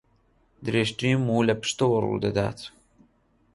درێژترین موو لە پشتەوە ڕوو دەدات